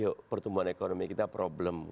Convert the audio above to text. untuk tumbuhan ekonomi kita problem